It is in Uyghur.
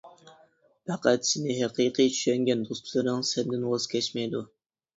پەقەت سېنى ھەقىقىي چۈشەنگەن دوستلىرىڭ سەندىن ۋاز كەچمەيدۇ.